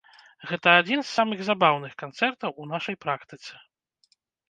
Гэта адзін з самых забаўных канцэртаў у нашай практыцы.